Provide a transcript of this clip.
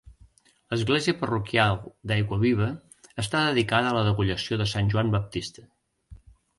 L'església parroquial d'Aiguaviva està dedicada a la degollació de Sant Joan Baptista.